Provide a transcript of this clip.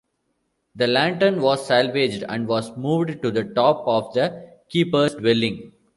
The lantern was salvaged and was moved to the top of the keeper's dwelling.